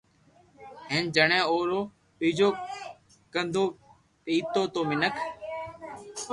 ھين جڻي اورو ٻجو ڪنو پينتو تو مينک